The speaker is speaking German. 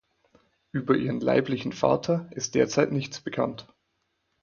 Über ihren leiblichen Vater ist derzeit nichts bekannt.